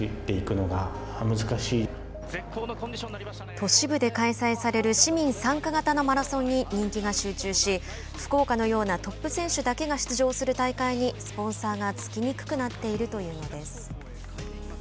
都市部で開催される市民参加型のマラソンに人気が集中し福岡のようなトップ選手だけが出場する大会にスポンサーが付きにくくなっているというのです。